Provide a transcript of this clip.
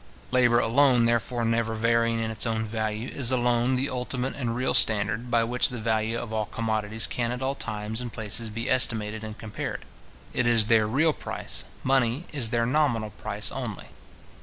Labour alone, therefore, never varying in its own value, is alone the ultimate and real standard by which the value of all commodities can at all times and places be estimated and compared. It is their real price; money is their nominal price only.